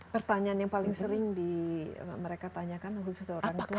pertanyaan yang paling sering mereka tanyakan khusus orang tua